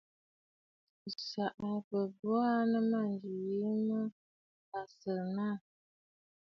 O saꞌa bə̂ bo aa nɨ mânjì yìi mə à tsìnə aà.